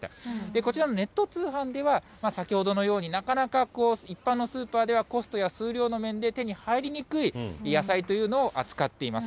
こちらのネット通販では、先ほどのようになかなか一般のスーパーでは、コストや数量の面で手に入りにくい野菜というのを扱っています。